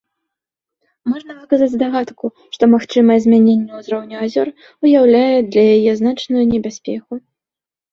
Можна выказаць здагадку, што магчымае змяненне ўзроўню азёр ўяўляе для яе значную небяспеку.